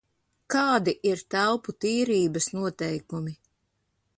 Kādi ir telpu tīrības noteikumi?